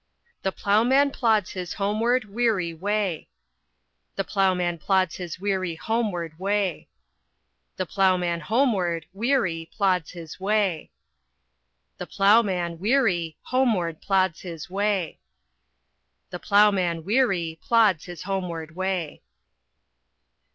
The ploughman plods his homeward, weary way. The ploughman plods his weary homeward way. The ploughman homeward, weary, plods his way. The ploughman, weary, homeward plods his way. The ploughman, weary, plods his homeward way.